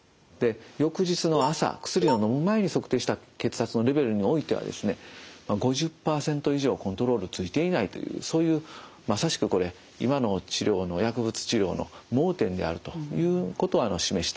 翌日の朝薬をのむ前に測定した血圧のレベルにおいてはですね５０％以上コントロールついていないというそういうまさしくこれ今の治療の薬物治療の盲点であるということを示したデータになります。